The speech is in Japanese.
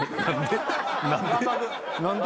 何で？